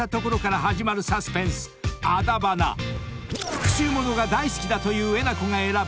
［復讐物が大好きだというえなこが選ぶ